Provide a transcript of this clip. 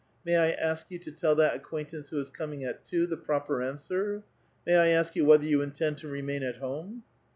May I ask you to tell that acquaintance who is coming at two the proper answer? may I ask you whether you intend to remain at home?"